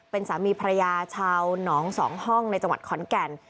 เป็นสามีภรรยาชาวหนองสองห้องในจังหวัดขอนแก่น